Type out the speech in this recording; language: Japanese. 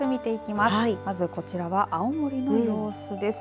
まず、こちらは青森の様子です。